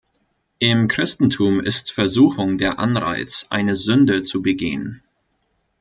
Im Christentum ist Versuchung der Anreiz, eine Sünde zu begehen.